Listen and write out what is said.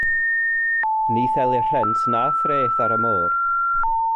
Ni thelir rhent na threth ar y môr.